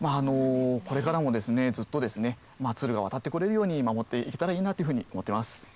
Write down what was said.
これからもずっとツルが渡って来れるように守って行けたらいいなっていうふうに思ってます。